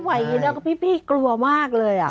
ไหวนี่แล้วกับพี่กลัวมากเลยอ่ะ